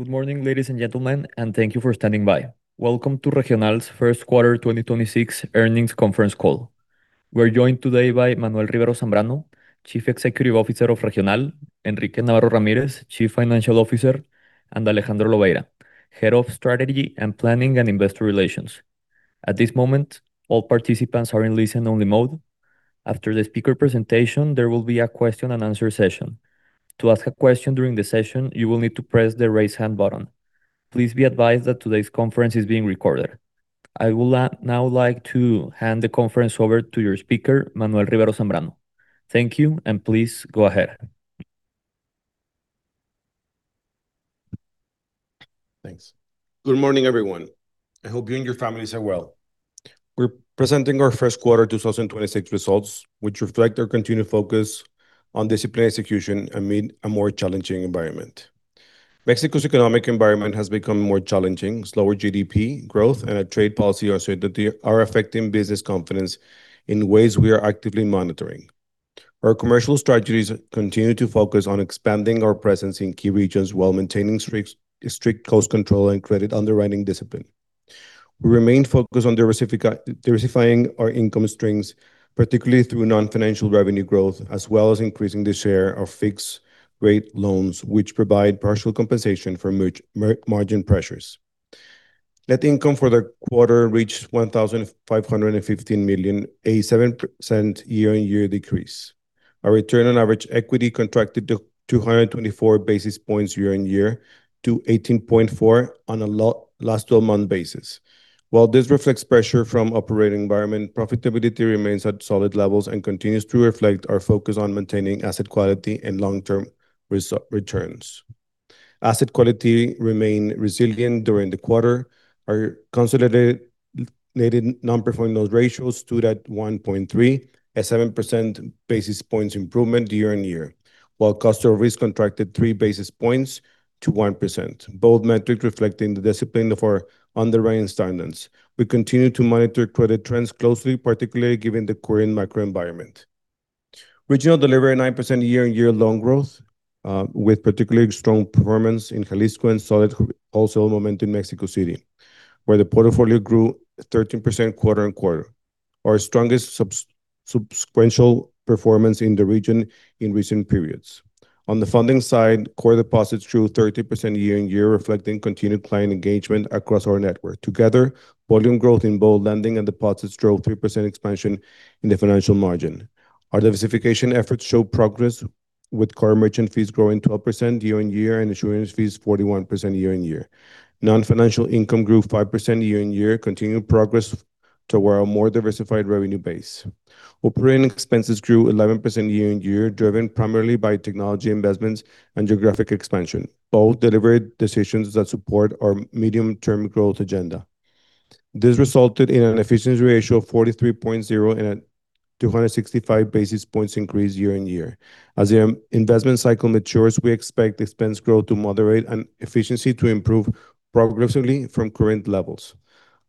Good morning, ladies and gentlemen. Thank you for standing by. Welcome to Regional's first quarter 2026 earnings conference call. We're joined today by Manuel Rivero Zambrano, Chief Executive Officer of Regional, Enrique Navarro Ramirez, Chief Financial Officer, and Alejandro Lobeira, Head of Strategy and Planning and Investor Relations. At this moment, all participants are in listen-only mode. After the speaker presentation, there will be a question-and-answer session. To ask a question during the session, you will need to press the raise hand button. Please be advised that today's conference is being recorded. I would now like to hand the conference over to your speaker, Manuel Rivero Zambrano. Thank you. Please go ahead. Thanks. Good morning, everyone. I hope you and your families are well. We're presenting our first quarter 2026 results, which reflect our continued focus on disciplined execution amid a more challenging environment. Mexico's economic environment has become more challenging. Slower GDP growth and a trade policy also that they are affecting business confidence in ways we are actively monitoring. Our commercial strategies continue to focus on expanding our presence in key regions while maintaining strict cost control and credit underwriting discipline. We remain focused on diversifying our income streams, particularly through non-financial revenue growth, as well as increasing the share of fixed-rate loans, which provide partial compensation for margin pressures. Net income for the quarter reached 1,515 million, a 7% year-on-year decrease. Our return on average equity contracted to 224 basis points year-on-year to 18.4% on a last 12-month basis. While this reflects pressure from operating environment, profitability remains at solid levels and continues to reflect our focus on maintaining asset quality and long-term returns. Asset quality remained resilient during the quarter. Our consolidated non-performing loan ratio stood at 1.3%, a 7 basis points improvement year-on-year. While cost of risk contracted 3 basis points to 1%, both metrics reflecting the discipline of our underwriting standards. We continue to monitor credit trends closely, particularly given the current macroenvironment. Regional delivered a 9% year-on-year loan growth, with particularly strong performance in Jalisco and solid wholesale momentum in Mexico City, where the portfolio grew 13% quarter-on-quarter. Our strongest subsequential performance in the region in recent periods. On the funding side, core deposits grew 30% year-on-year, reflecting continued client engagement across our network. Together, volume growth in both lending and deposits drove 3% expansion in the financial margin. Our diversification efforts show progress with core merchant fees growing 12% year-on-year and insurance fees 41% year-on-year. Non-financial income grew 5% year-on-year, continued progress toward a more diversified revenue base. Operating expenses grew 11% year-on-year, driven primarily by technology investments and geographic expansion, both deliberate decisions that support our medium-term growth agenda. This resulted in an efficiency ratio of 43.0% and a 265 basis points increase year-on-year. As the investment cycle matures, we expect expense growth to moderate and efficiency to improve progressively from current levels.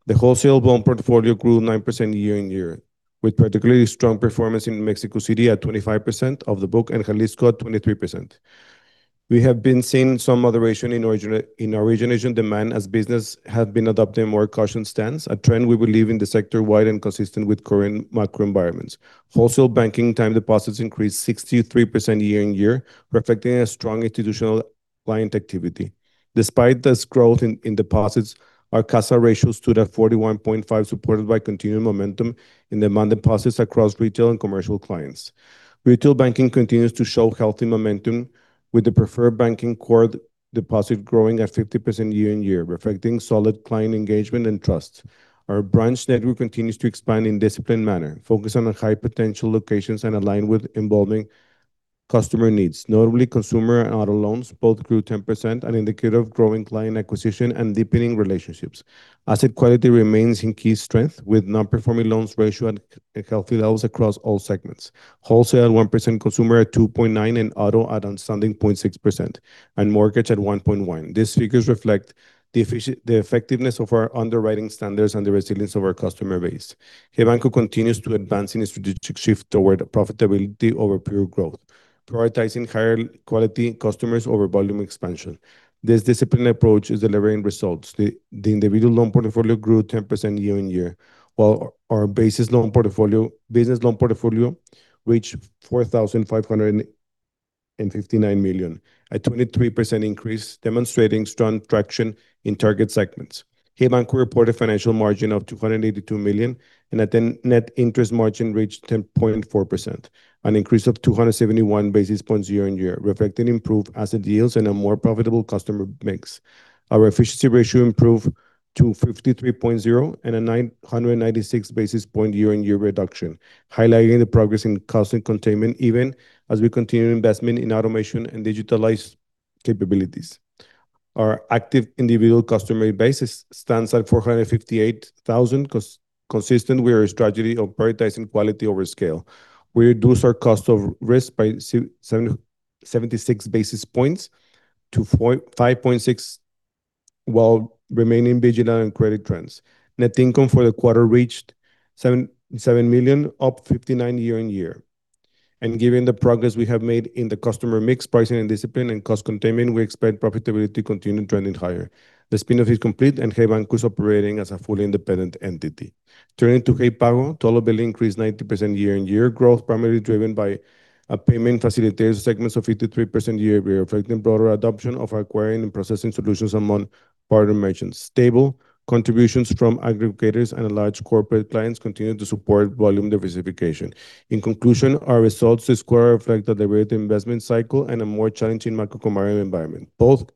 The wholesale loan portfolio grew 9% year-on-year, with particularly strong performance in Mexico City at 25% of the book and Jalisco at 23%. We have been seeing some moderation in our origination demand as businesses have been adopting a more cautious stance, a trend we believe in the sector-wide and consistent with current macroenvironments. Wholesale banking time deposits increased 63% year-on-year, reflecting a strong institutional client activity. Despite this growth in deposits, our CASA ratio stood at 41.5%, supported by continued momentum in demand deposits across retail and commercial clients. Retail banking continues to show healthy momentum with the Preferred Banking core deposit growing at 50% year-on-year, reflecting solid client engagement and trust. Our branch network continues to expand in disciplined manner, focused on the high-potential locations and aligned with evolving customer needs. Notably, consumer and auto loans both grew 10%, an indicator of growing client acquisition and deepening relationships. Asset quality remains in key strength, with non-performing loans ratio at healthy levels across all segments. Wholesale at 1%, consumer at 2.9%, and auto at outstanding 0.6%, and mortgage at 1.1%. These figures reflect the effectiveness of our underwriting standards and the resilience of our customer base. Hey Banco continues to advance in its strategic shift toward profitability over pure growth, prioritizing higher quality customers over volume expansion. This disciplined approach is delivering results. The individual loan portfolio grew 10% year-on-year, while our business loan portfolio reached 4,559 million, a 23% increase, demonstrating strong traction in target segments. Hey Banco reported financial margin of 282 million, net interest margin reached 10.4%, an increase of 271 basis points year-on-year, reflecting improved asset yields and a more profitable customer mix. Our efficiency ratio improved to 53.0% and a 996 basis point year-on-year reduction, highlighting the progress in cost containment even as we continue investment in automation and digitalized capabilities. Our active individual customer base stands at 458,000, consistent with our strategy of prioritizing quality over scale. We reduced our cost of risk by 76 basis points to 5.6%. While remaining vigilant on credit trends. Net income for the quarter reached 7 million, up 59% year-on-year. Given the progress we have made in the customer mix, pricing, and discipline and cost containment, we expect profitability to continue trending higher. The spin-off is complete, and Hey Banco is operating as a fully independent entity. Turning to Hey Pago, total billing increased 90% year-on-year growth, primarily driven by a payment facilitators segments of 53% year-over-year, reflecting broader adoption of acquiring and processing solutions among partner merchants. Stable contributions from aggregators and large corporate clients continue to support volume diversification. In conclusion, our results this quarter reflect a delayed investment cycle and a more challenging macroeconomic environment, both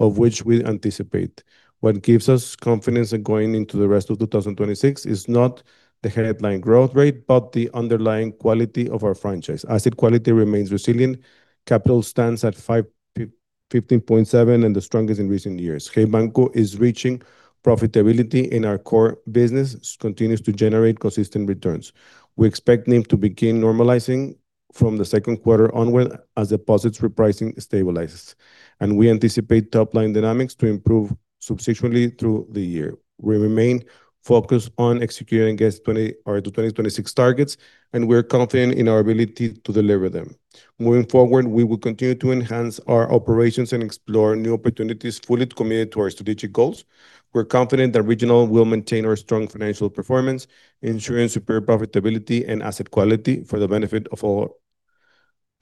of which we anticipate. What gives us confidence in going into the rest of 2026 is not the headline growth rate, but the underlying quality of our franchise. Asset quality remains resilient. Capital stands at 15.7% and the strongest in recent years. Hey Banco is reaching profitability, and our core business continues to generate consistent returns. We expect NIM to begin normalizing from the second quarter onward as deposits repricing stabilizes, and we anticipate top-line dynamics to improve substantially through the year. We remain focused on executing against our 2026 targets, and we're confident in our ability to deliver them. Moving forward, we will continue to enhance our operations and explore new opportunities fully committed to our strategic goals. We're confident that Regional will maintain our strong financial performance, ensuring superior profitability and asset quality for the benefit for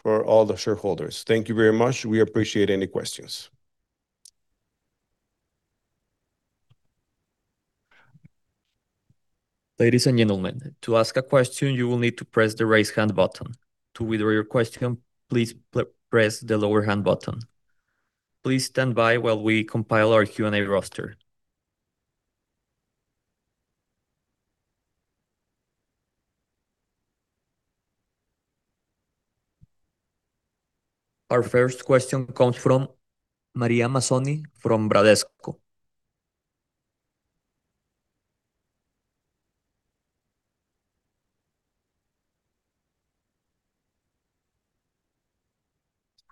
all the shareholders. Thank you very much. We appreciate any questions. Ladies and gentlemen, to ask a question, you will need to press the raise hand button. To withdraw your question, please press the lower hand button. Please stand by while we compile our Q&A roster. Our first question comes from Maria Mazzoni from Bradesco.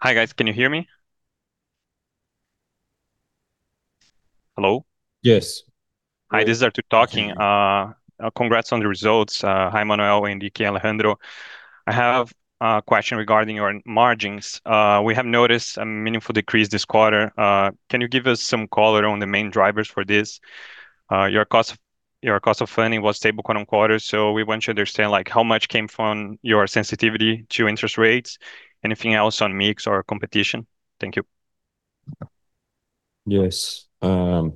Hi, guys. Can you hear me? Hello? Yes. Hi, this is Eric talking. Congrats on the results. Hi, Manuel, Enrique, Alejandro. I have a question regarding your margins. We have noticed a meaningful decrease this quarter. Can you give us some color on the main drivers for this? Your cost of funding was stable quarter-on-quarter, so we want to understand, like, how much came from your sensitivity to interest rates. Anything else on mix or competition? Thank you. Yes, thank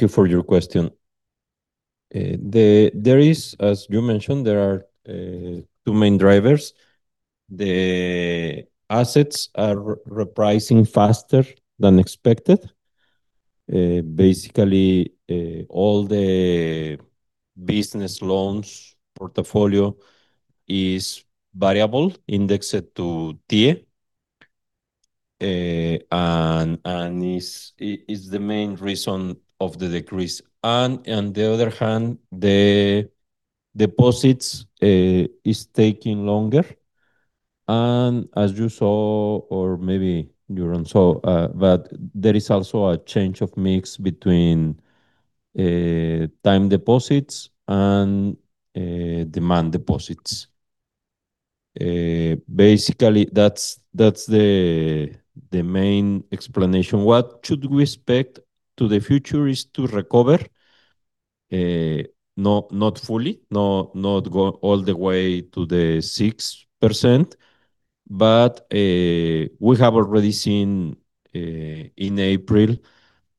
you for your question. There is, as you mentioned, there are two main drivers. The assets are repricing faster than expected. Basically, all the business loans portfolio is variable, indexed to TIIE, and is the main reason of the decrease. On the other hand, the deposits is taking longer. As you saw, or maybe you don't saw, but there is also a change of mix between time deposits and demand deposits. Basically, that's the main explanation. What should we expect to the future is to recover, not fully, not go all the way to the 6%, but we have already seen in April,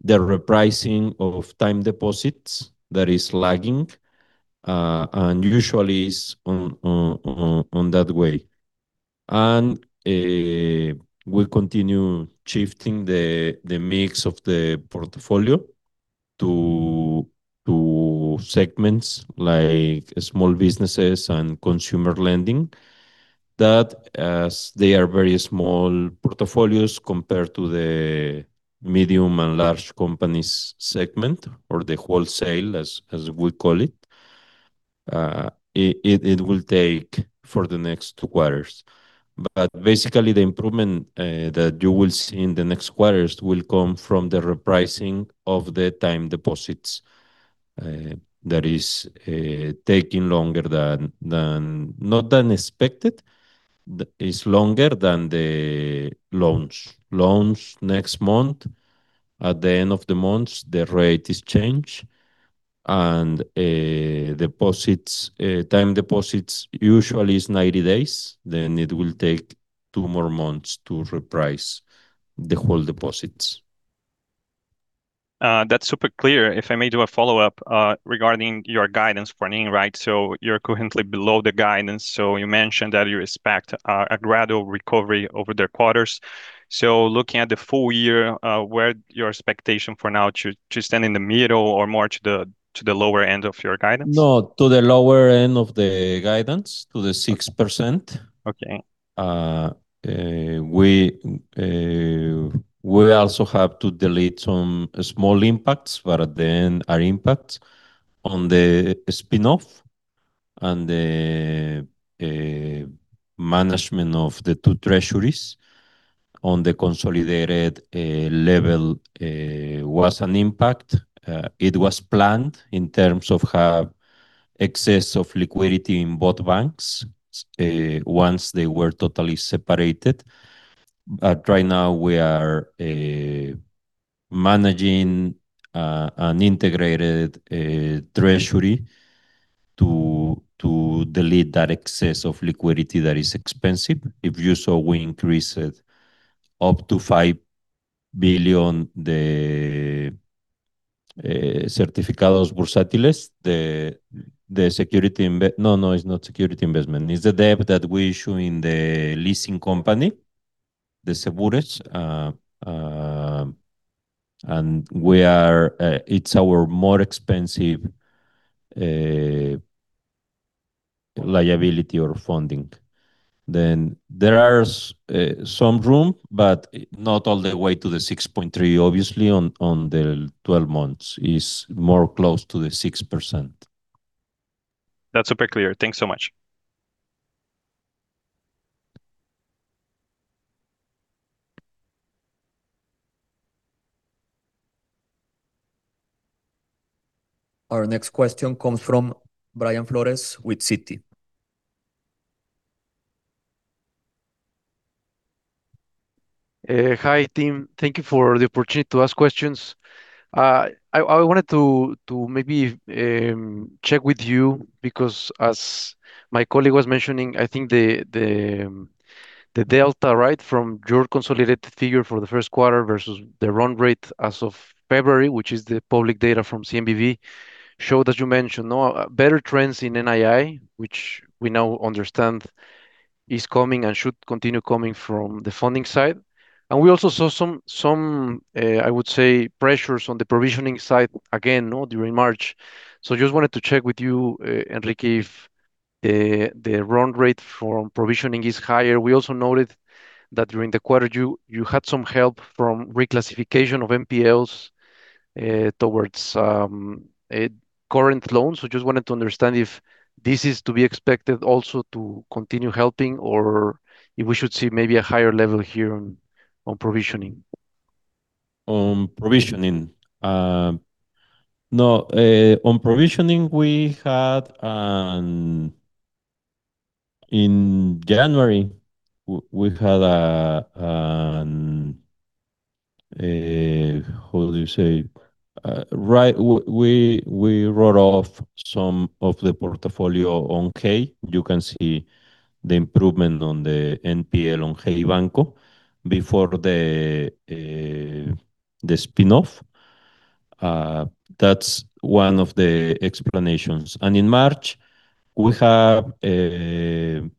the repricing of time deposits that is lagging, and usually is on that way. We'll continue shifting the mix of the portfolio to segments like small businesses and consumer lending that, as they are very small portfolios compared to the medium and large companies segment or the wholesale, as we call it will take for the next two quarters. Basically, the improvement that you will see in the next quarters will come from the repricing of the time deposits that is taking longer. Not than expected. Is longer than the loans. Loans next month, at the end of the month, the rate is changed and deposits, time deposits usually is 90 days, then it will take two more months to reprice the whole deposits. That's super clear. If I may do a follow-up, regarding your guidance for NIM, right? You're currently below the guidance, so you mentioned that you expect a gradual recovery over the quarters. Looking at the full year, where your expectation for now stand in the middle or more to the lower end of your guidance? No, to the lower end of the guidance, to the 6%. Okay. We also have to delete some small impacts, but then our impact on the spin-off The management of the two treasuries on the consolidated level was an impact. It was planned in terms of have excess of liquidity in both banks once they were totally separated. Right now we are managing an integrated treasury to delete that excess of liquidity that is expensive. If you saw, we increased up to 5 billion the Certificados Bursátiles. No, it's not security investment. It's the debt that we issue in the leasing company. It's our more expensive liability or funding. There are some room, but not all the way to the 6.3%, obviously, on the 12 months. It's more close to the 6%. That's super clear. Thanks so much. Our next question comes from Brian Flores with Citi. Hi, team. Thank you for the opportunity to ask questions. I wanted to check with you because as my colleague was mentioning, I think the delta, right, from your consolidated figure for the first quarter versus the run rate as of February, which is the public data from CNBV, showed, as you mentioned, no better trends in NII, which we now understand is coming and should continue coming from the funding side. We also saw some pressures on the provisioning side again, you know, during March. Just wanted to check with you, Enrique, if the run rate for provisioning is higher. We also noted that during the quarter, you had some help from reclassification of NPLs towards a current loan. Just wanted to understand if this is to be expected also to continue helping or if we should see maybe a higher level here on provisioning? On provisioning. No, on provisioning, we had in January, we wrote off some of the portfolio on [Key]. You can see the improvement on the NPL on Hey Banco before the spin-off. That's one of the explanations. In March, we have been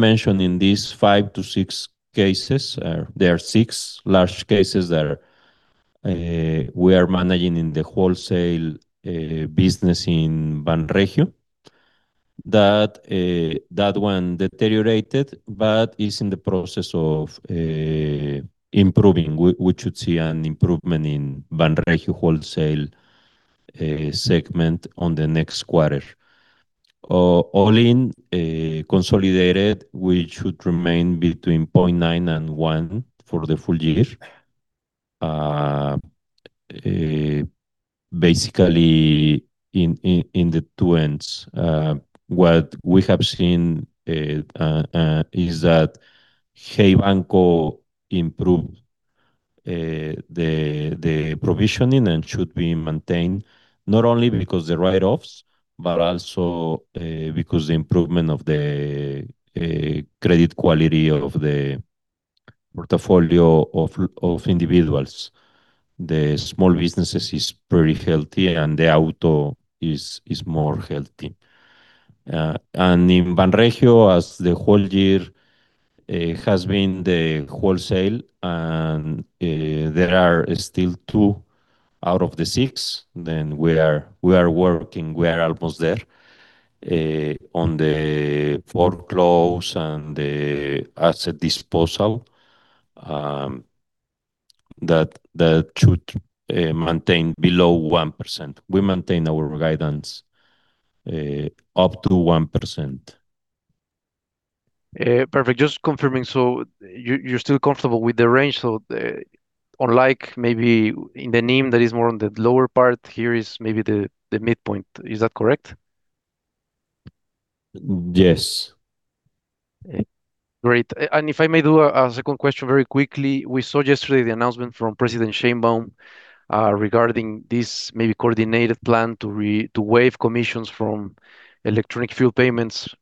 mentioning these five to six cases. There are six large cases that we are managing in the Wholesale Business in BanRegio. That one deteriorated, but is in the process of improving. We should see an improvement in BanRegio Wholesale segment on the next quarter. All in consolidated, we should remain between 0.9% and 1% for the full year. Basically in the two ends. What we have seen is that Hey Banco improved the provisioning and should be maintained, not only because the write-offs, but also because the improvement of the credit quality of the portfolio of individuals. The small businesses is pretty healthy, and the auto is more healthy. In BanRegio, as the whole year has been the wholesale, there are still two out of the six, we are working, we are almost there on the foreclose and the asset disposal that should maintain below 1%. We maintain our guidance up to 1%. Perfect. Just confirming, you're still comfortable with the range? Unlike maybe in the NIM that is more on the lower part, here is maybe the midpoint. Is that correct? Yes. Great. If I may do a second question very quickly. We saw yesterday the announcement from President Sheinbaum regarding this maybe coordinated plan to waive commissions from electronic fuel payments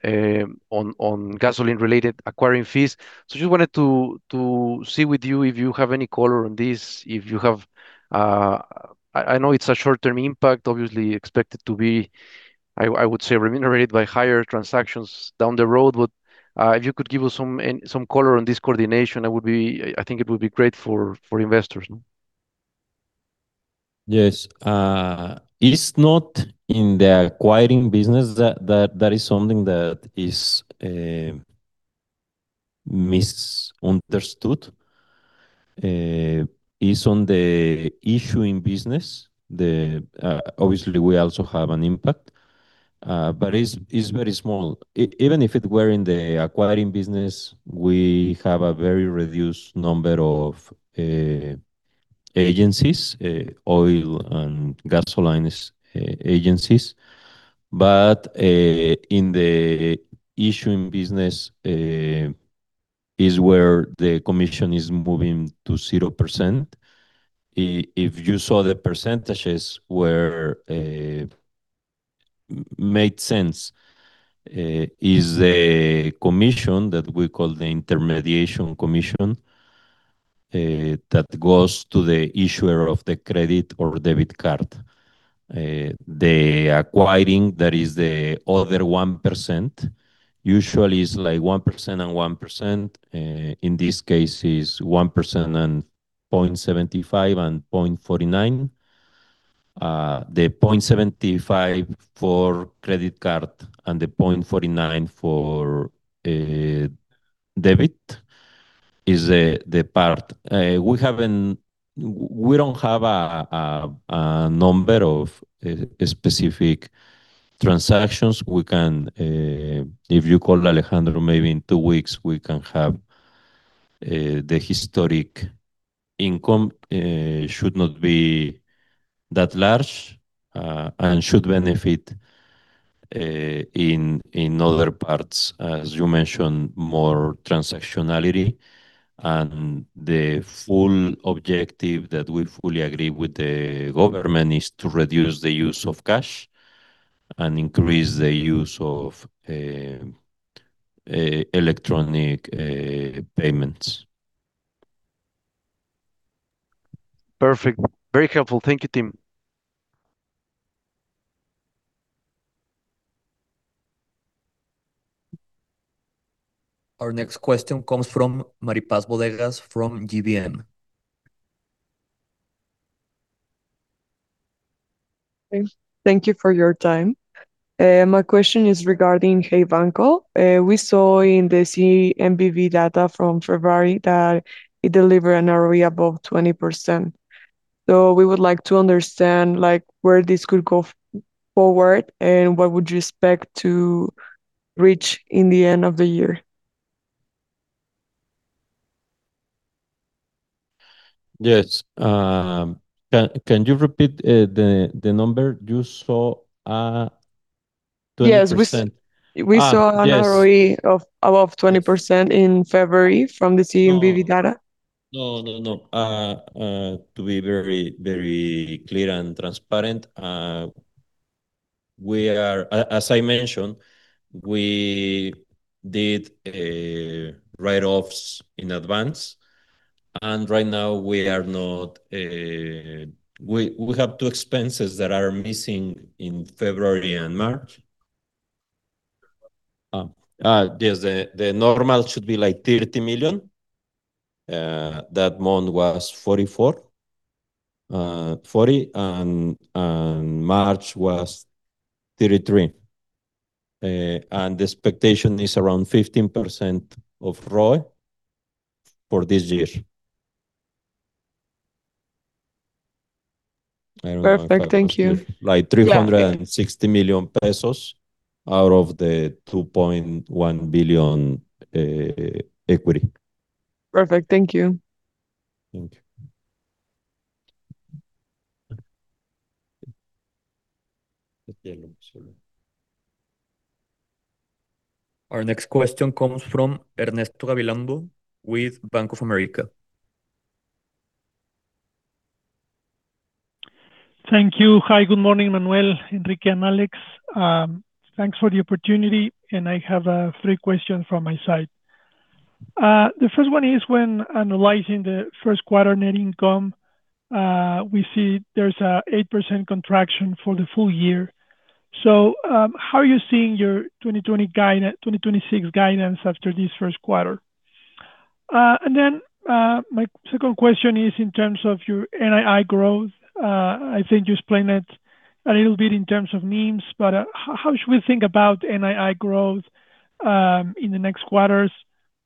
on gasoline-related acquiring fees. Just wanted to see with you if you have any color on this. I know it's a short-term impact, obviously expected to be, I would say, remunerated by higher transactions down the road. If you could give us some color on this coordination, that would be, I think it would be great for investors. Yes. It's not in the acquiring business that is something that is misunderstood, is on the issuing business. Obviously, we also have an impact, but it's very small. Even if it were in the acquiring business, we have a very reduced number of agencies, oil and gasoline, agencies. In the issuing business, is where the commission is moving to 0%. If you saw the percentages where made sense, is a commission that we call the intermediation commission, that goes to the issuer of the credit or debit card. The acquiring, that is the other 1% usually is like 1% and 1%. In this case is 1% and 0.75% and 0.49%. The 0.75% for credit card and the 0.49% for debit is the part. We don't have a number of specific transactions. We can, if you call Alejandro maybe in two weeks, we can have the historic income. Should not be that large and should benefit in other parts, as you mentioned, more transactionality. The full objective that we fully agree with the government is to reduce the use of cash and increase the use of electronic payments. Perfect. Very helpful. Thank you, team. Our next question comes from Maripaz Bodegas from GBM. Thank you for your time. My question is regarding Hey Banco. We saw in the CNBV data from February that it delivered an ROE above 20%. We would like to understand, like, where this could go forward and what would you expect to reach in the end of the year. Yes. Can you repeat the number you saw, 20%? Yes. Yes. We saw an ROE of above 20% in February from the CNBV data. No, no. To be very, very clear and transparent, as I mentioned, we did write-offs in advance, and right now we are not. We have two expenses that are missing in February and March. There's the normal should be like 30 million. That month was 44 million, 40 million, and March was 33 million. And the expectation is around 15% of ROE for this year. I don't know if that was clear. Perfect. Thank you. Like 360 million pesos out of the 2.1 billion equity. Perfect. Thank you. Thank you. Our next question comes from Ernesto Gabilondo with Bank of America. Thank you. Hi, good morning, Manuel, Enrique, and Alex. Thanks for the opportunity, I have three questions from my side. The first one is, when analyzing the first quarter net income, we see there's a 8% contraction for the full year. How are you seeing your 2026 guidance after this first quarter? My second question is in terms of your NII growth. I think you explained it a little bit in terms of means, but how should we think about NII growth in the next quarters?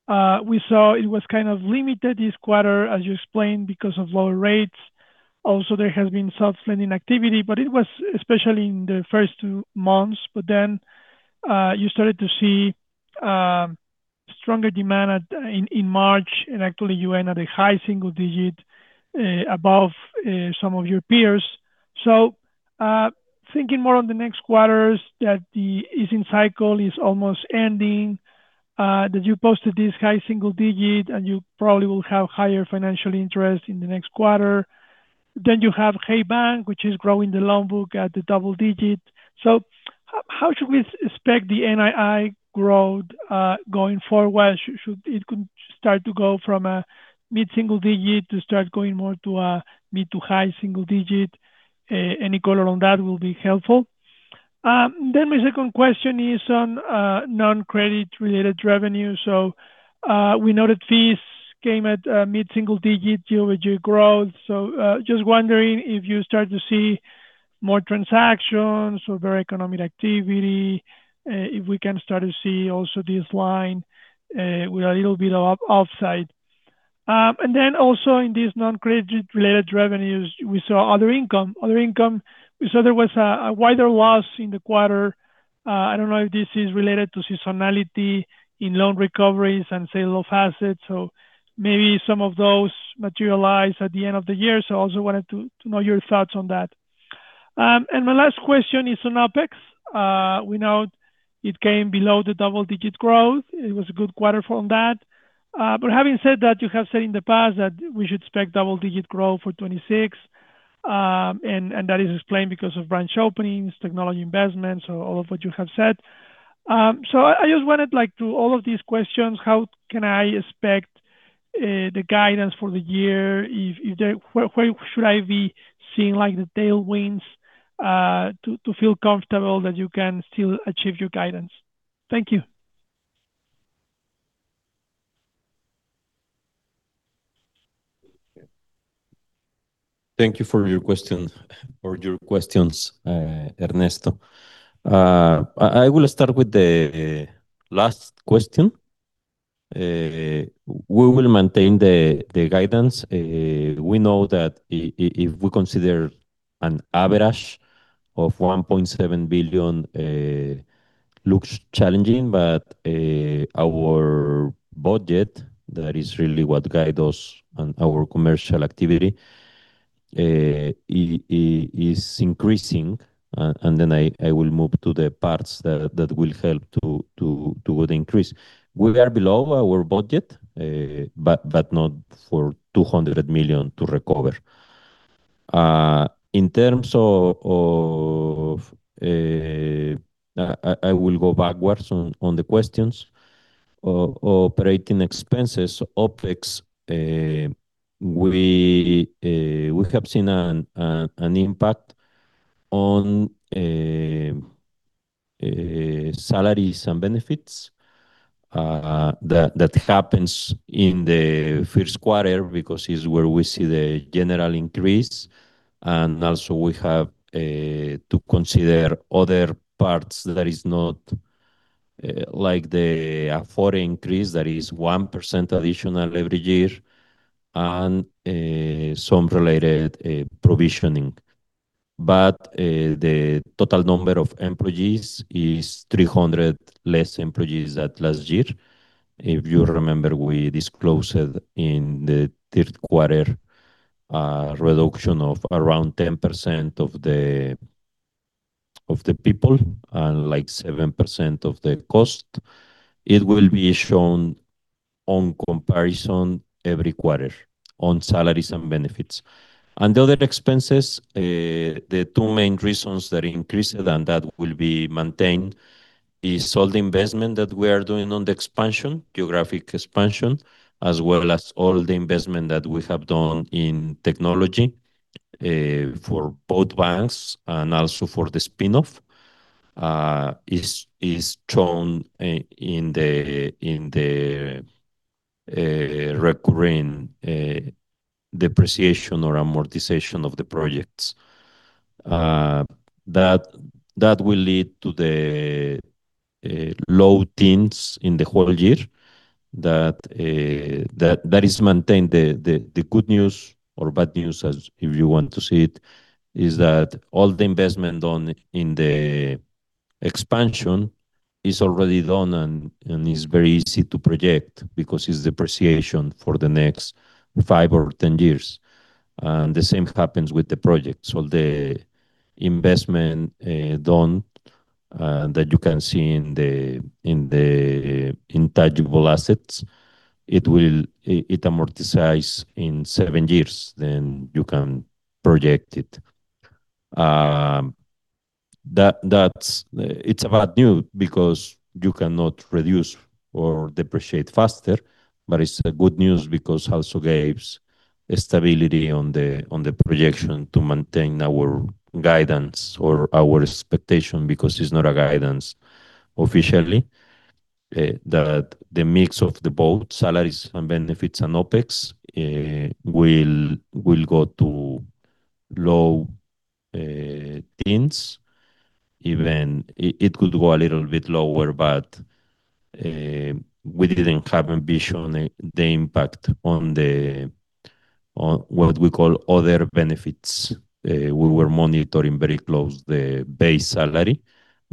We saw it was kind of limited this quarter, as you explained, because of lower rates. Also, there has been soft lending activity, but it was especially in the first two months. Then, you started to see stronger demand at, in March, and actually you end at a high single-digit above some of your peers. Thinking more on the next quarters that the easing cycle is almost ending, that you posted this high single-digit and you probably will have higher financial interest in the next quarter. Then you have Hey Banco, which is growing the loan book at the double-digit. How should we expect the NII growth going forward? Should it could start to go from a mid-single-digit to start going more to a mid-to-high single-digit? Any color on that will be helpful. My second question is on non-credit related revenue. We know that fees came at a mid-single-digit year-over-year growth. Just wondering if you start to see more transactions or very economic activity, if we can start to see also this line with a little bit of upside. Also in these non-credit related revenues, we saw other income. Other income, we saw there was a wider loss in the quarter. I don't know if this is related to seasonality in loan recoveries and sale of assets, so maybe some of those materialize at the end of the year. I also wanted to know your thoughts on that. My last question is on OpEx. We know it came below the double-digit growth. It was a good quarter from that. Having said that, you have said in the past that we should expect double-digit growth for 2026, and that is explained because of branch openings, technology investments or all of what you have said. I just wanted like through all of these questions, how can I expect the guidance for the year where should I be seeing like the tailwinds to feel comfortable that you can still achieve your guidance? Thank you. Thank you for your question or your questions, Ernesto. I will start with the last question. We will maintain the guidance. We know that if we consider an average of 1.7 billion, looks challenging, but our budget, that is really what guide us on our commercial activity, is increasing. I will move to the parts that will help to increase. We are below our budget, but not for 200 million to recover. In terms of, I will go backwards on the questions. Operating expenses, OpEx, we have seen an impact on salaries and benefits that happens in the first quarter because it's where we see the general increase. We have to consider other parts that is not like the afford increase that is 1% additional every year and some related provisioning. The total number of employees is 300 less employees at last year. If you remember, we disclosed in the third quarter a reduction of around 10% of the people and like 7% of the cost. It will be shown on comparison every quarter on salaries and benefits. The other expenses, the two main reasons that increased and that will be maintained is all the investment that we are doing on the expansion, geographic expansion, as well as all the investment that we have done in technology, for both banks and also for the spin-off, is shown in the recurring depreciation or amortization of the projects. That will lead to the low teens in the whole year. That is maintained. The good news or bad news as if you want to see it, is that all the investment in the expansion is already done and is very easy to project because it's depreciation for the next five or 10 years. The same happens with the project. The investment done that you can see in the intangible assets, it will amortize in seven years. You can project it. It's a bad news because you cannot reduce or depreciate faster. It's a good news because also gives stability on the projection to maintain our guidance or our expectation because it's not a guidance officially. The mix of the both salaries and benefits and OpEx will go to low teens. Even it could go a little bit lower. We didn't have ambition the impact on what we call other benefits. We were monitoring very close the base salary.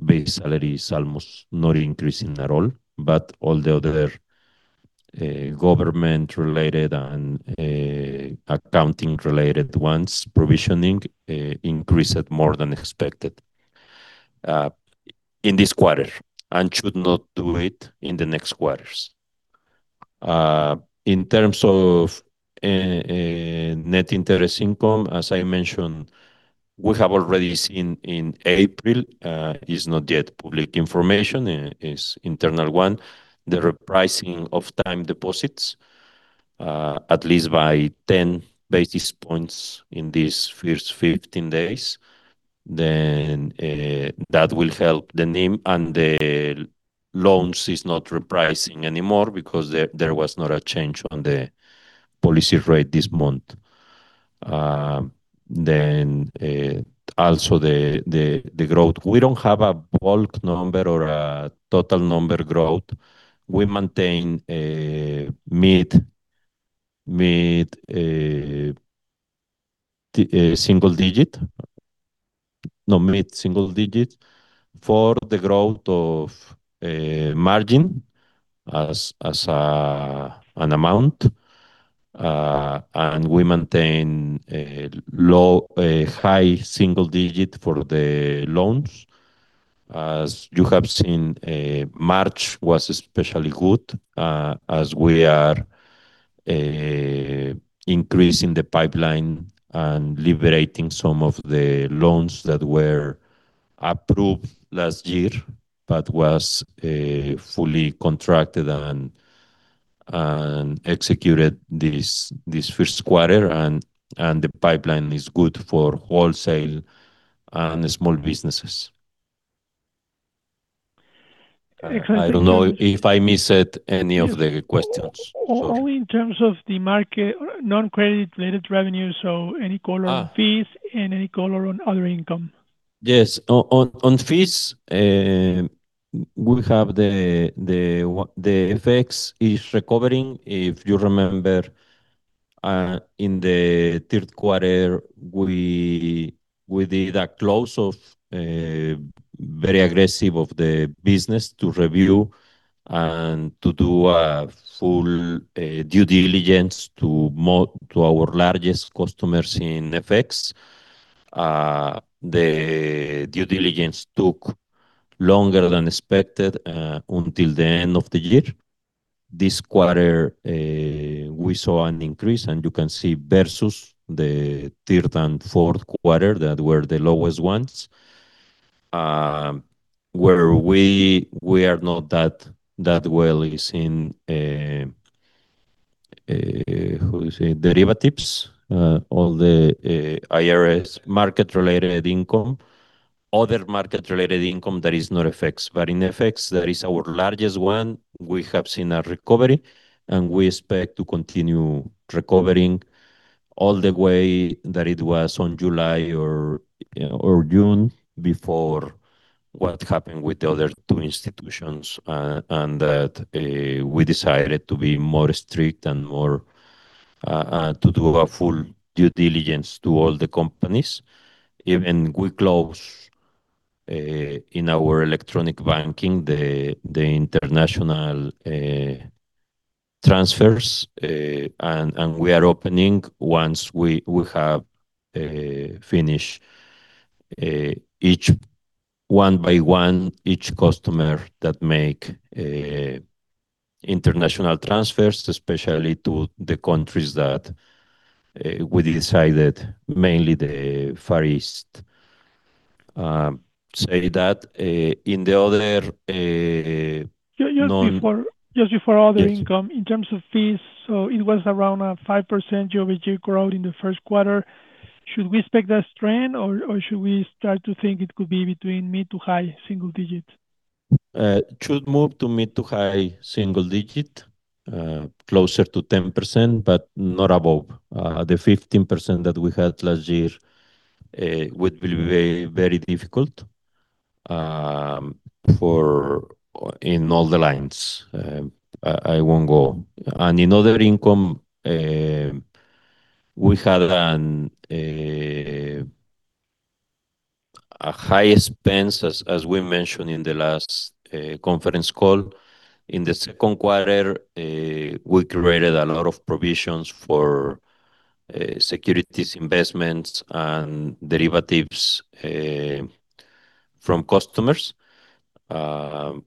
Base salary is almost not increasing at all. All the other government-related and accounting-related ones, provisioning, increased more than expected in this quarter and should not do it in the next quarters. In terms of net interest income, as I mentioned, we have already seen in April, is not yet public information, is internal one, the repricing of time deposits, at least by 10 basis points in these first 15 days. That will help the NIM and loans is not repricing anymore because there was not a change on the policy rate this month. Also the growth. We don't have a bulk number or a total number growth. We maintain a mid-single digit. Mid-single digit for the growth of margin as an amount. We maintain a high single-digit for the loans. As you have seen, March was especially good, as we are increasing the pipeline and liberating some of the loans that were approved last year, but was fully contracted and executed this first quarter and the pipeline is good for wholesale and small businesses. Excellent. I don't know if I missed any of the questions. Only in terms of the market, non-credit related revenue, so any color on fees and any color on other income. Yes. On fees, we have the FX is recovering. If you remember, in the third quarter, we did a close of very aggressive of the business to review and to do a full due diligence to our largest customers in FX. The due diligence took longer than expected until the end of the year. This quarter, we saw an increase, and you can see versus the third and fourth quarter, that were the lowest ones, where we are not that well is in derivatives or the IRS market-related income. Other market-related income, that is not FX. In FX, that is our largest one. We have seen a recovery, and we expect to continue recovering all the way that it was on July or June before what happened with the other two institutions. We decided to be more strict and more to do a full due diligence to all the companies. Even we closed in our electronic banking the international transfers. We are opening once we have finish each one by one, each customer that make international transfers, especially to the countries that we decided, mainly the Far East, say that. Just before other income. Yes. In terms of fees, it was around a 5% year-over-year growth in the first quarter. Should we expect that trend or should we start to think it could be between mid-to-high single digits? Should move to mid- to high-single digit, closer to 10%, but not above. The 15% that we had last year, would be very difficult, for, in all the lines. I won't go. In other income, we had a high expense as we mentioned in the last conference call. In the second quarter, we created a lot of provisions for securities investments and derivatives, from customers.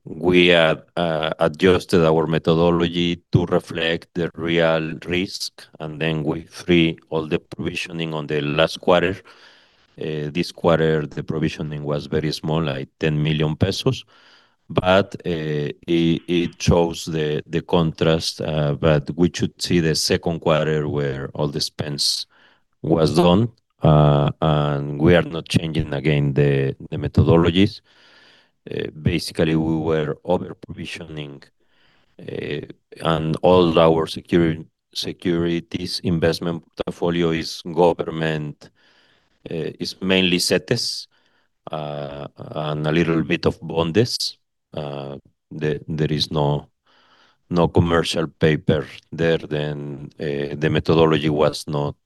We had adjusted our methodology to reflect the real risk, and then we free all the provisioning on the last quarter. This quarter, the provisioning was very small, like 10 million pesos. It, it shows the contrast, but we should see the second quarter where all the expense was done. We are not changing again the methodologies. Basically, we were over-provisioning on all our securities investment portfolio is government, is mainly cetes, and a little bit of bondes. There is no commercial paper there, the methodology was not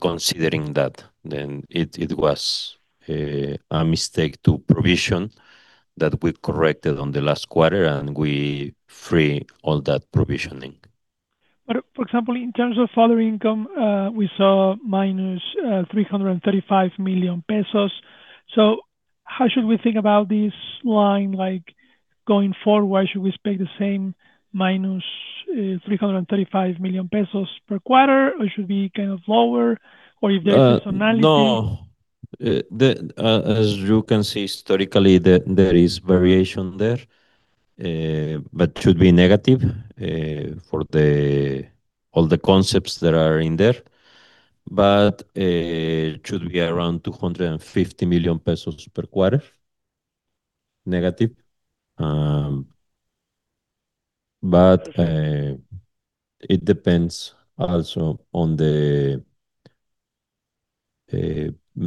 considering that. It was a mistake to provision that we corrected on the last quarter, and we free all that provisioning. For example, in terms of other income, we saw -335 million pesos. How should we think about this line, like going forward? Should we expect the same -335 million pesos per quarter? Should it be kind of lower? If there is seasonality? No. As you can see historically, there is variation there, but should be negative for all the concepts that are in there. Should be around 250 million pesos per quarter negative. It depends also on the,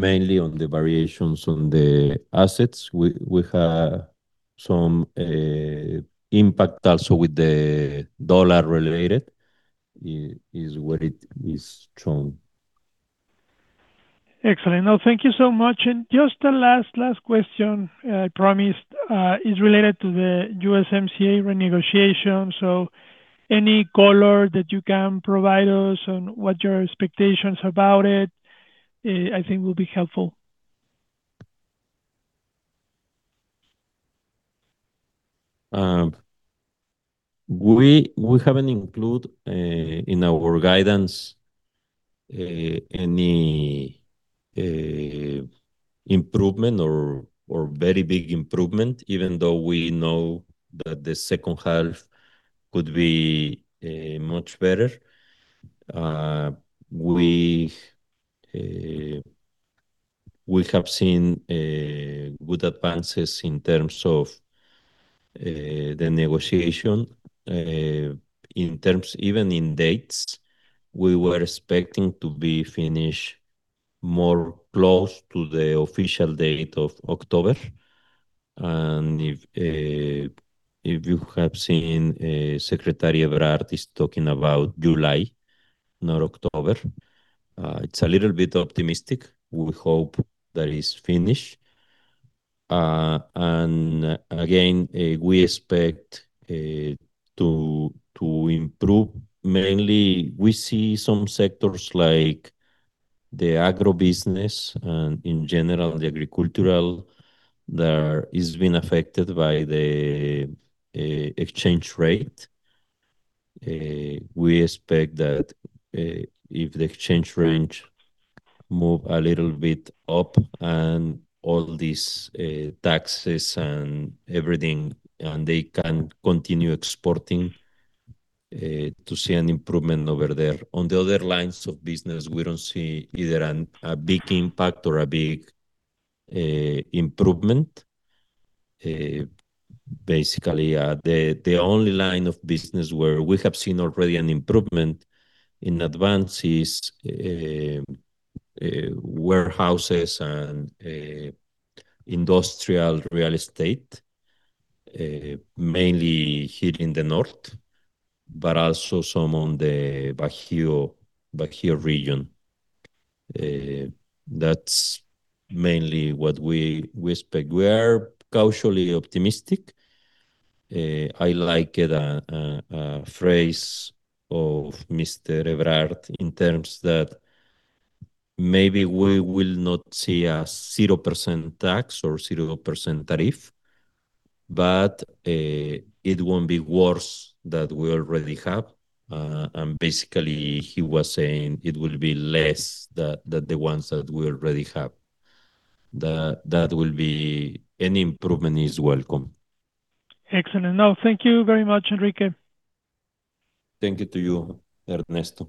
mainly on the variations on the assets. We have some impact also with the dollar related, is where it is shown. Excellent. No, thank you so much. Just the last question, I promised, is related to the USMCA renegotiation. Any color that you can provide us on what your expectations about it, I think will be helpful. We haven't include in our guidance any improvement or very big improvement, even though we know that the second half could be much better. We have seen good advances in terms of the negotiation. In terms even in dates, we were expecting to be finished more close to the official date of October. If you have seen, Secretary Ebrard is talking about July, not October, it's a little bit optimistic. We hope that is finished. Again, we expect to improve. Mainly, we see some sectors like the agribusiness and in general the agricultural there is being affected by the exchange rate. We expect that if the exchange rate move a little bit up and all these taxes and everything, and they can continue exporting, to see an improvement over there. On the other lines of business, we don't see either a big impact or a big improvement. Basically, the only line of business where we have seen already an improvement in advance is warehouses and industrial real estate, mainly here in the North, but also some on the Bajío region. That's mainly what we expect. We are cautiously optimistic. I like it, phrase of Mr. Ebrard in terms that maybe we will not see a 0% tax or 0% tariff, but it won't be worse that we already have. Basically, he was saying it will be less than the ones that we already have. Any improvement is welcome. Excellent. No, thank you very much, Enrique. Thank you to you, Ernesto.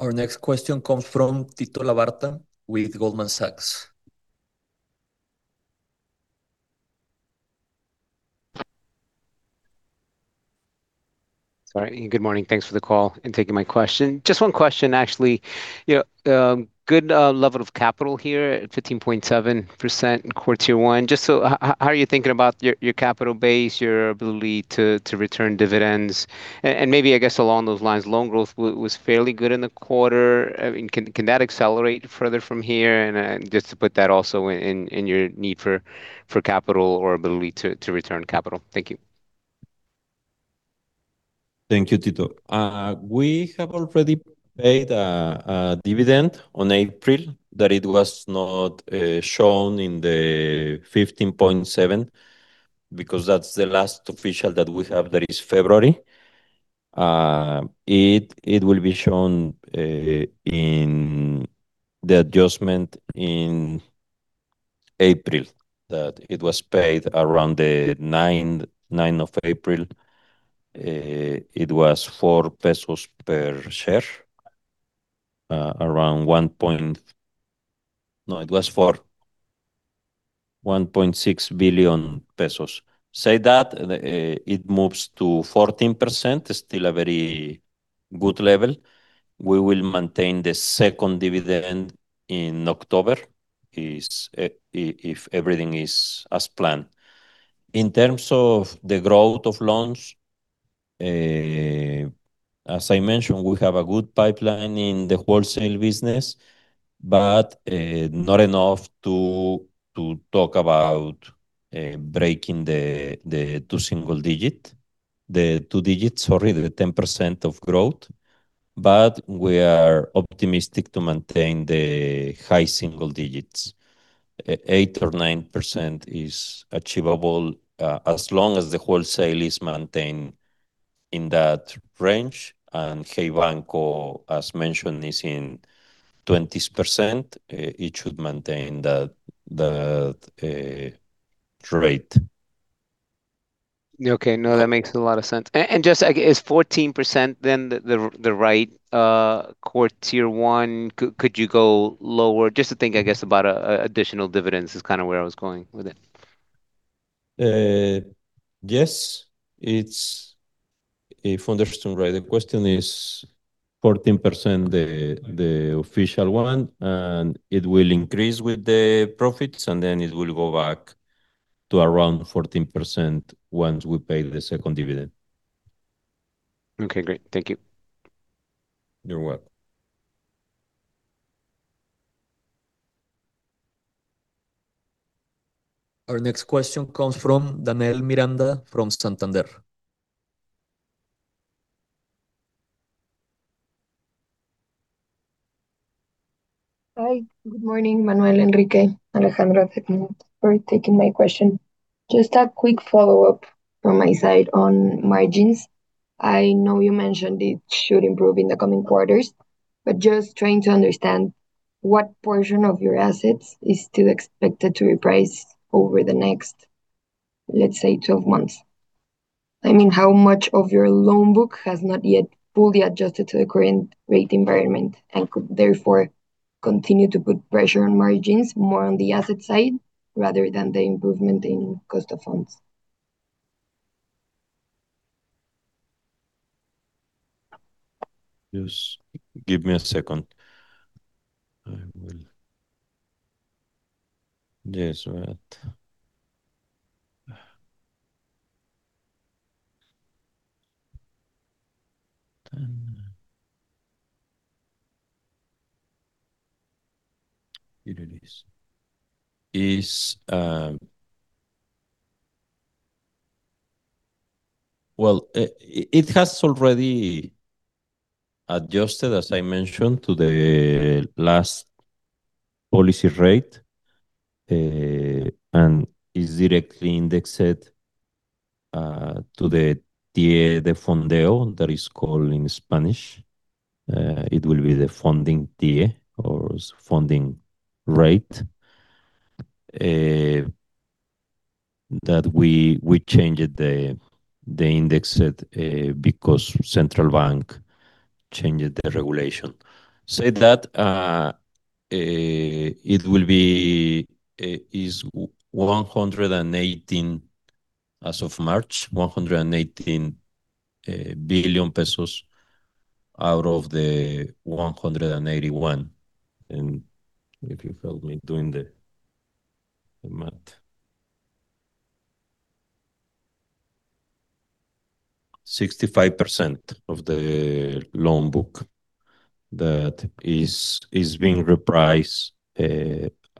Our next question comes from Tito Labarta with Goldman Sachs. Sorry, and good morning. Thanks for the call and taking my question. Just one question, actually. You know, good level of capital here at 15.7% in Q1. How are you thinking about your capital base, your ability to return dividends? Maybe, I guess, along those lines, loan growth was fairly good in the quarter. I mean, can that accelerate further from here, and just to put that also in your need for capital or ability to return capital? Thank you. Thank you, Tito. We have already paid a dividend on April that it was not shown in the 15.7%, because that's the last official that we have that is February. It will be shown in the adjustment in April, that it was paid around the 9 of April. It was 4 pesos per share. Around 1.6 billion pesos. Say that it moves to 14%, still a very good level. We will maintain the second dividend in October if everything is as planned. In terms of the growth of loans, as I mentioned, we have a good pipeline in the Wholesale Business, but not enough to talk about breaking the two-single digit, the two digit, sorry, the 10% of growth. We are optimistic to maintain the high single digits. 8% or 9% is achievable, as long as the wholesale is maintained in that range, and Hey Banco, as mentioned, is in 20%. It should maintain the rate. Yeah, okay. No, that makes a lot of sense. Just, like, is 14% then the right core Tier 1? Could you go lower? Just to think, I guess, about additional dividends is kinda where I was going with it. Yes. It's, if understood right, the question is 14% the official one, and it will increase with the profits, and then it will go back to around 14% once we pay the second dividend. Okay, great. Thank you. You're welcome. Our next question comes from Danele Miranda from Santander. Hi. Good morning, Manuel, Enrique, Alejandro. Thank you for taking my question. Just a quick follow-up from my side on margins. I know you mentioned it should improve in the coming quarters. Just trying to understand what portion of your assets is still expected to reprice over the next, let's say, 12 months. I mean, how much of your loan book has not yet fully adjusted to the current rate environment and could therefore continue to put pressure on margins more on the asset side rather than the improvement in cost of funds? Just give me a second. Just wait. Here it is. It has already adjusted, as I mentioned, to the last policy rate and is directly indexed to the TIIE de Fondeo that is called in Spanish. It will be the funding TIIE or funding rate that we changed the index at because central bank changed the regulation. Say that it will be 118 billion, as of March, out of the 181 billion. If you help me doing the math. 65% of the loan book that is being repriced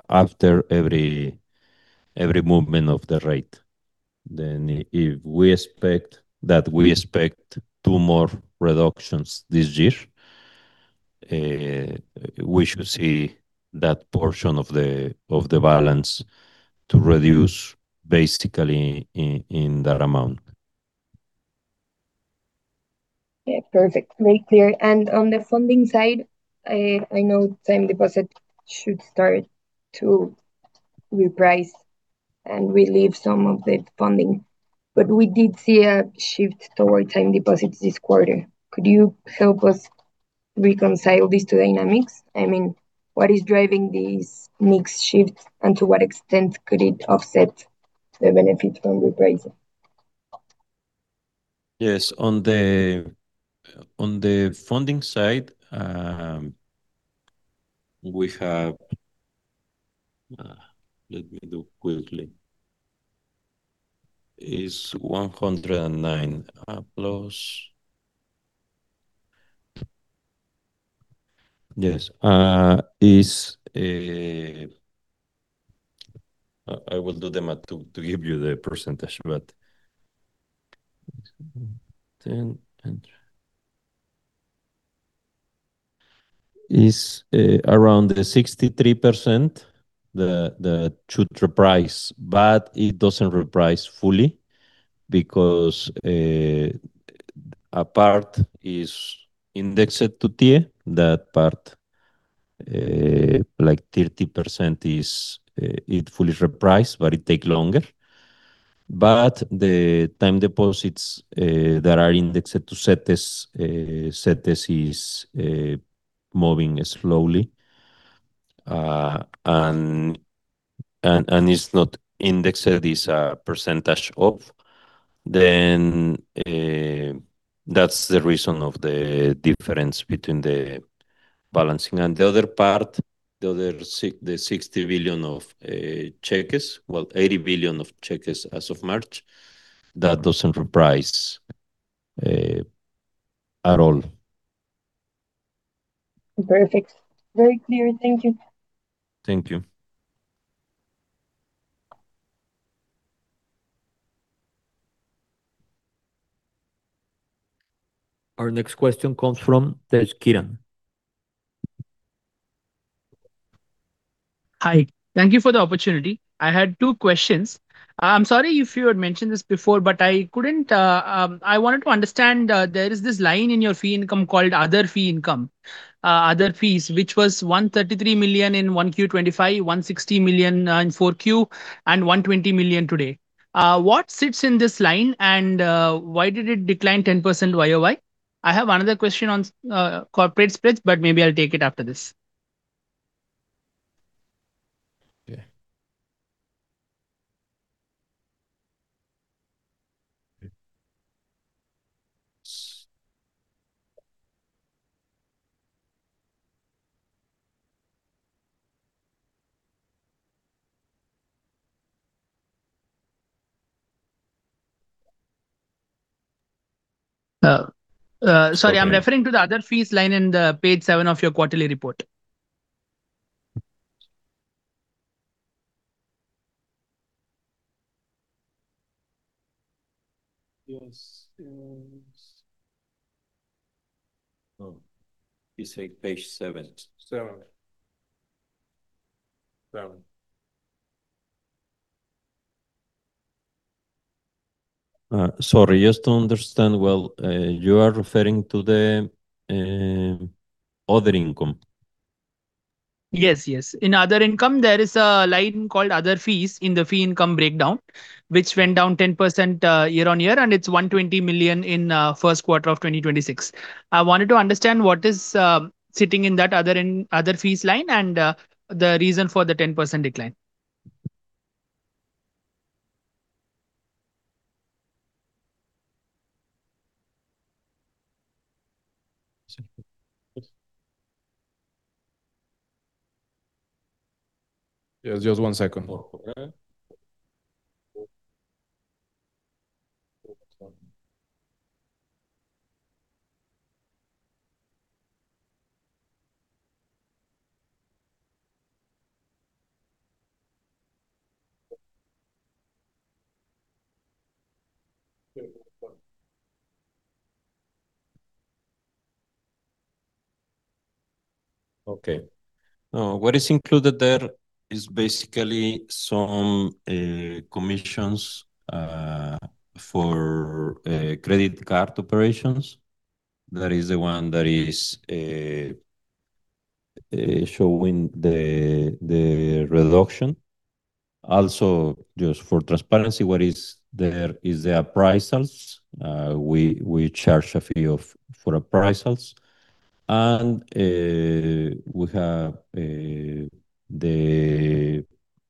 after every movement of the rate. If we expect that, we expect two more reductions this year, we should see that portion of the balance to reduce basically in that amount. Yeah. Perfect. Very clear. On the funding side, I know time deposit should start to reprice and relieve some of the funding. We did see a shift toward time deposits this quarter. Could you help us reconcile these two dynamics? I mean, what is driving this mix shift, and to what extent could it offset the benefit from repricing? Yes. On the funding side. Let me do quickly. Is 109 plus. I will do the math to give you the percentage. [10 and]. Is around 63% that should reprice, but it doesn't reprice fully because a part is indexed to TIIE. That part, like 30% is it fully repriced, but it take longer. The time deposits that are indexed to cetes is moving slowly and it's not indexed. It is a percentage of. That's the reason of the difference between the balancing. The other part, the other 60 billion of [cheques], well, 80 billion of [cheques] as of March, that doesn't reprice at all. Perfect. Very clear. Thank you. Thank you. Our next question comes from Tejkiran. Hi. Thank you for the opportunity. I had two questions. I'm sorry if you had mentioned this before, but I couldn't. I wanted to understand, there is this line in your fee income called other fee income, other fees, which was 133 million in 1Q 2025, 160 million in 4Q, and 120 million today. What sits in this line, and why did it decline 10% YoY? I have another question on corporate spreads, but maybe I'll take it after this. Yeah. Uh, uh- Sorry, I'm referring to the other fees line in the page seven of your quarterly report. Yes. Yes. Oh, you say page seven. Seven. Sorry, just to understand well, you are referring to the other income? Yes, yes. In other income, there is a line called other fees in the fee income breakdown, which went down 10% year-on-year, and it is 120 million in first quarter of 2026. I wanted to understand what is sitting in that other fees line and the reason for the 10% decline. Yes. Yes, just one second. Okay. Okay. What is included there is basically some commissions for credit card operations. That is the one that is showing the reduction. Also, just for transparency, what is there is the appraisals. We charge a fee for appraisals. We have the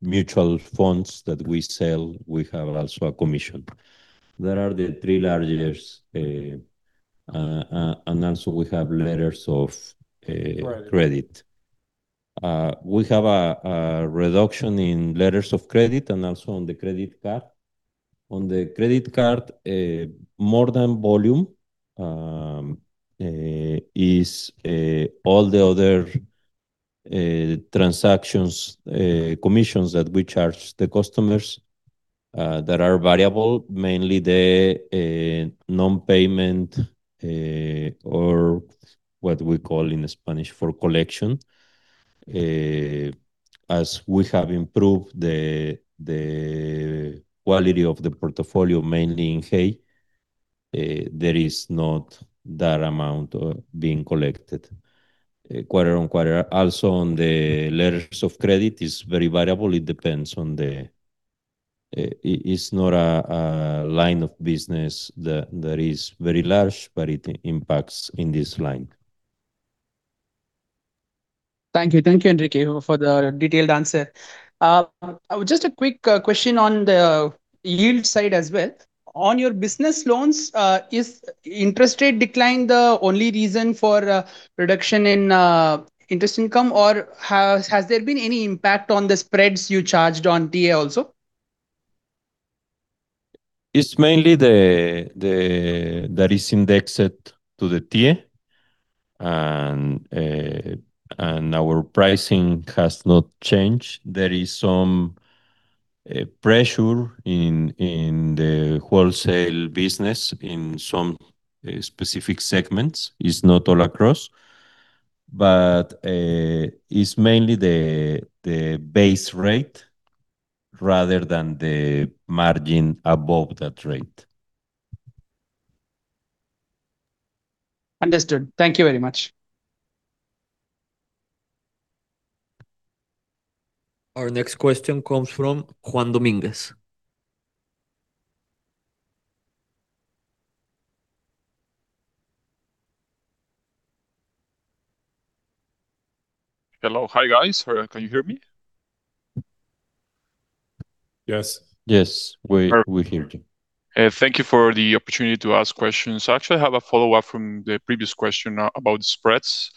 mutual funds that we sell, we have also a commission. There are the three largest, and also we have letters of credit. Credit We have a reduction in letters of credit and also on the credit card. On the credit card, more than volume, is all the other transactions, commissions that we charge the customers, that are variable, mainly the non-payment, or what we call in Spanish, for collection. As we have improved the quality of the portfolio, mainly in Hey, there is not that amount being collected quarter-on-quarter. Also, on the letters of credit is very variable. It depends on the. It's not a line of business that is very large, but it impacts in this line. Thank you. Thank you, Enrique, for the detailed answer. just a quick question on the yield side as well. On your business loans, is interest rate decline the only reason for reduction in interest income, or has there been any impact on the spreads you charged on TIIE also? It's mainly the that is indexed to the TIIE, and our pricing has not changed. There is some pressure in the Wholesale Business in some specific segments. It's not all across. It's mainly the base rate rather than the margin above that rate. Understood. Thank you very much. Our next question comes from Juan Dominguez. Hello. Hi, guys. Can you hear me? Yes. Yes. Perfect We hear you. Thank you for the opportunity to ask questions. I actually have a follow-up from the previous question about spreads.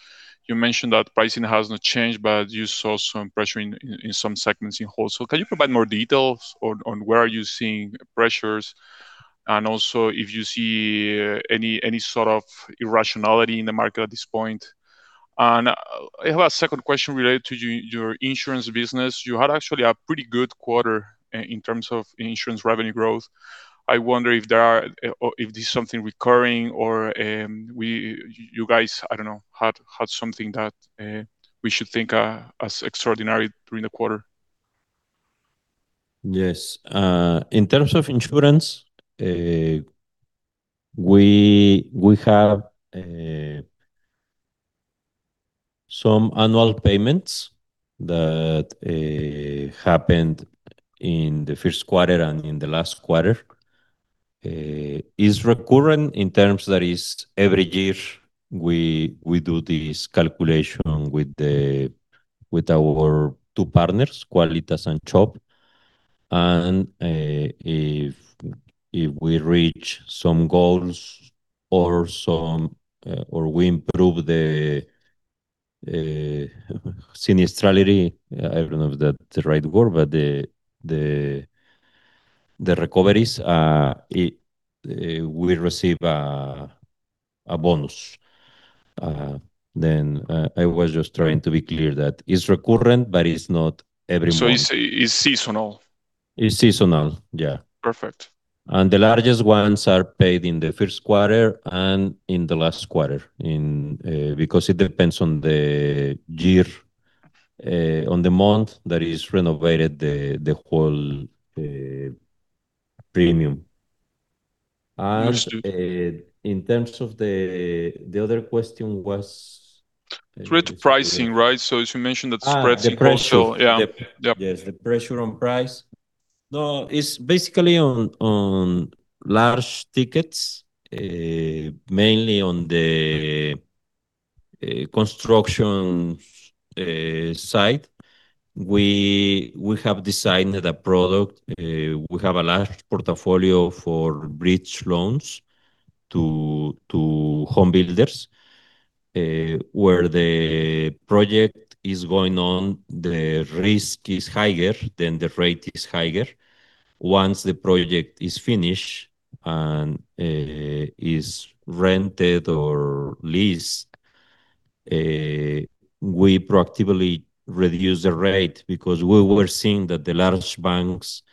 You mentioned that pricing has not changed, but you saw some pressure in some segments in wholesale. Can you provide more details on where are you seeing pressures? Also, if you see any sort of irrationality in the market at this point. I have a second question related to your insurance business. You had actually a pretty good quarter in terms of insurance revenue growth. I wonder if there are or if this is something recurring or you guys, I don't know, had something that we should think as extraordinary during the quarter. Yes. In terms of insurance, we have some annual payments that happened in the first quarter and in the last quarter. It is recurrent in terms that is every year we do this calculation with our two partners, Quálitas and Chubb, and if we reach some goals or we improve the sinistrality, I don't know if that is the right word, but the recoveries, we receive a bonus. I was just trying to be clear that it's recurrent, but it's not every month. It's seasonal. It's seasonal, yeah. Perfect. The largest ones are paid in the first quarter and in the last quarter in, because it depends on the year, on the month that is renovated the whole premium. Understood In terms of the other question was. Threat to pricing, right? As you mentioned, that spread seems also. The pressure. Yeah. Yeah. Yes, the pressure on price. It's basically on large tickets, mainly on the construction site. We have designed a product. We have a large portfolio for bridge loans to home builders, where the project is going on, the risk is higher, the rate is higher. Once the project is finished and is rented or leased, we proactively reduce the rate because we were seeing that the large banks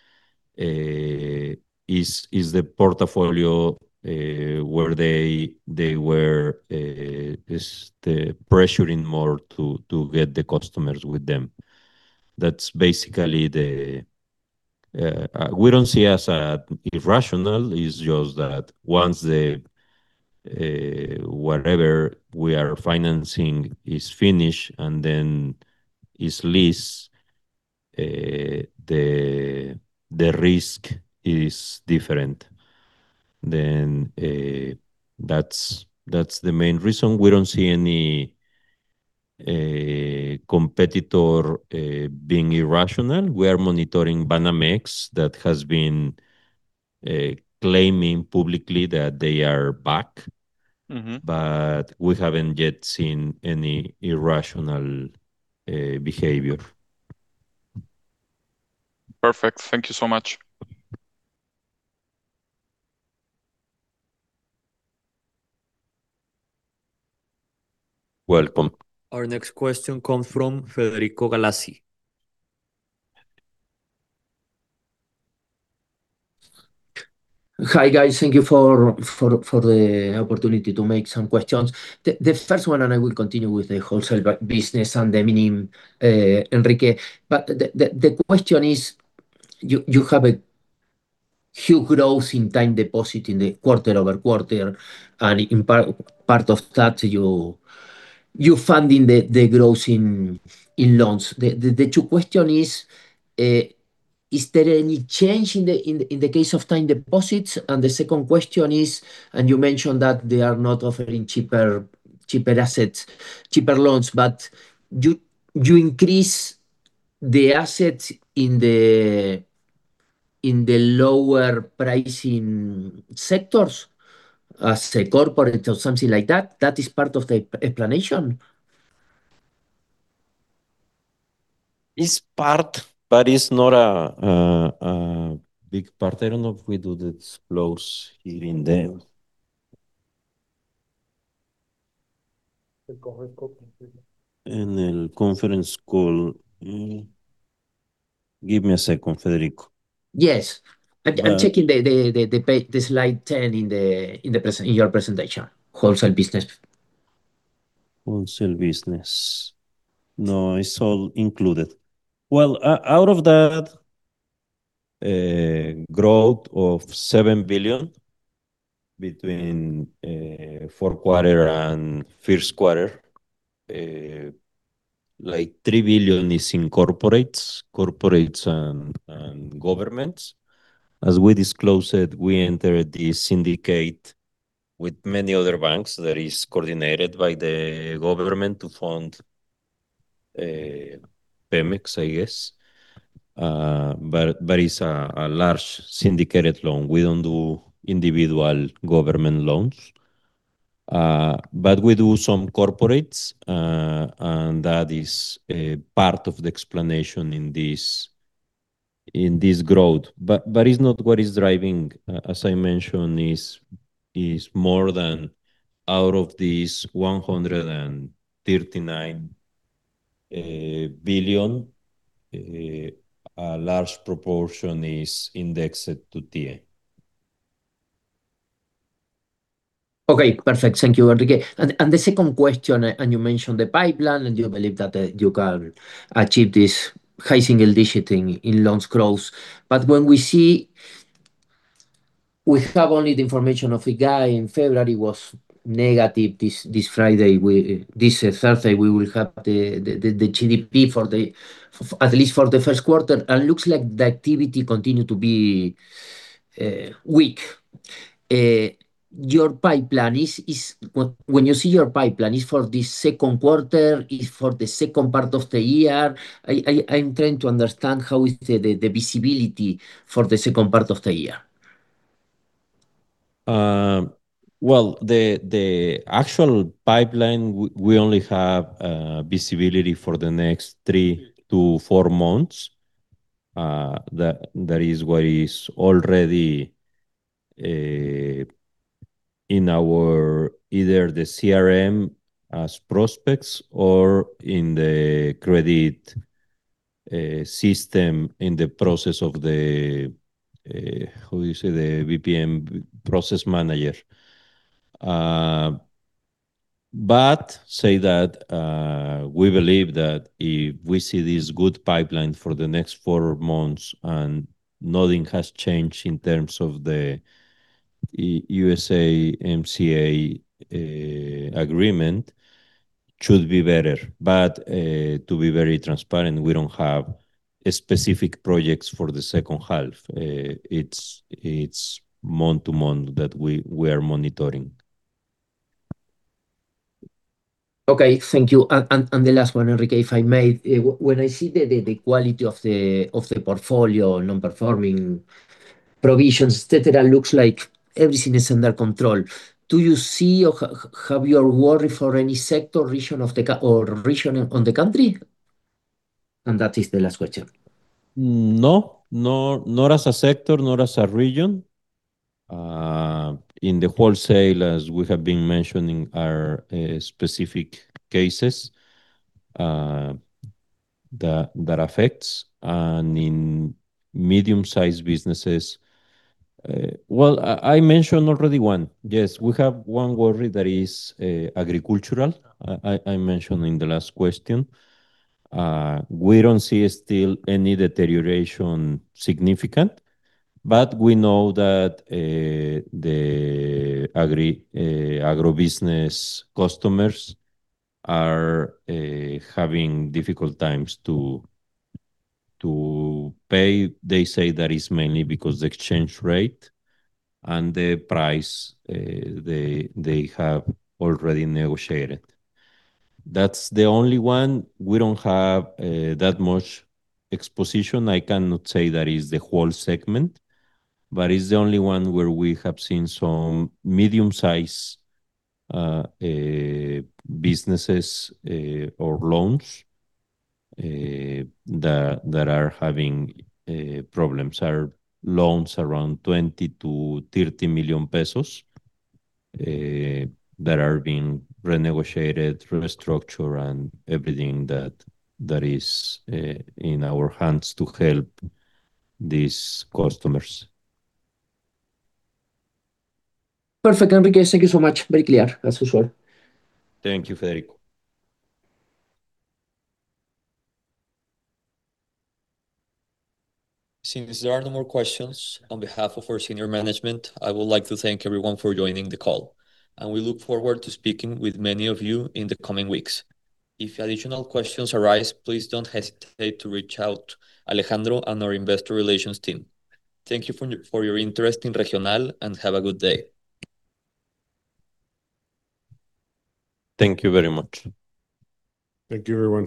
is the portfolio where they were pressuring more to get the customers with them. We don't see as irrational, it's just that once whatever we are financing is finished and then it's leased, the risk is different. That's the main reason we don't see any competitor being irrational. We are monitoring Banamex that has been claiming publicly that they are back. Mm-hmm. We haven't yet seen any irrational behavior. Perfect. Thank you so much. Welcome. Our next question comes from Federico Galassi. Hi, guys. Thank you for the opportunity to make some questions. The first one, I will continue with the Wholesale Business and the meaning, Enrique. The question is, you have a huge growth in time deposit in the quarter-over-quarter, and in part of that you funding the growth in loans. The two question is there any change in the case of time deposits? The second question is, you mentioned that they are not offering cheaper assets, cheaper loans, do you increase the assets in the lower pricing sectors as a corporate or something like that? That is part of the explanation. It's part, but it's not a big part. I don't know if we do the disclose here and there. The conference call. In the conference call. Give me a second, Federico. Yes. Uh- I'm checking the slide 10 in your presentation, Wholesale Business. Wholesale business. No, it's all included. Well, out of that growth of MXN 7 billion between fourth quarter and first quarter, like 3 billion is in corporates and governments. As we disclosed, we entered the syndicate with many other banks that is coordinated by the government to fund Pemex, I guess. It's a large syndicated loan. We don't do individual government loans. We do some corporates, and that is part of the explanation in this growth. It's not what is driving, as I mentioned, is more than out of these 139 billion, a large proportion is indexed to TIIE. Okay, perfect. Thank you, Enrique. The second question, and you mentioned the pipeline, and you believe that you can achieve this high single digit in loans growth. When we see, we have only the information of IGAE in February was negative. This Thursday, we will have the GDP for at least for the first quarter, looks like the activity continue to be weak. Your pipeline is When you see your pipeline, is for the second quarter, is for the second part of the year? I'm trying to understand how is the visibility for the second part of the year. The actual pipeline, we only have visibility for the next three to four months. That is what is already in our, either the CRM as prospects or in the credit system in the process of the how you say, the BPM process manager. Say that we believe that if we see this good pipeline for the next four months and nothing has changed in terms of the USMCA agreement, should be better. To be very transparent, we don't have specific projects for the second half. It's month to month that we are monitoring. Okay. Thank you. The last one, Enrique, if I may. When I see the quality of the portfolio, non-performing provisions, et cetera, looks like everything is under control. Do you see or have your worry for any sector, or region on the country? That is the last question. No. Nor as a sector, nor as a region. In the wholesale, as we have been mentioning, are specific cases that affects. In medium-sized businesses, well, I mentioned already one. Yes, we have one worry that is agricultural. I mentioned in the last question. We don't see still any deterioration significant, but we know that the agribusiness customers are having difficult times to pay. They say that is mainly because the exchange rate and the price they have already negotiated. That's the only one. We don't have that much exposition. I cannot say that is the whole segment, but it's the only one where we have seen some medium-size businesses or loans that are having problems. Are loans around 20 million-30 million pesos, that are being renegotiated, restructured, and everything that is, in our hands to help these customers. Perfect, Enrique. Thank you so much. Very clear, as usual. Thank you, Federico. Since there are no more questions, on behalf of our senior management, I would like to thank everyone for joining the call, and we look forward to speaking with many of you in the coming weeks. If additional questions arise, please don't hesitate to reach out to Alejandro and our Investor Relations team. Thank you for your interest in Regional, and have a good day. Thank you very much. Thank you, everyone.